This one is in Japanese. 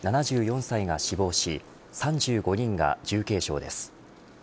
７４歳が死亡し３５人が重軽傷です。